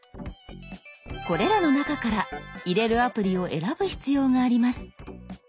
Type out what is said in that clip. これらの中から入れるアプリを選ぶ必要があります。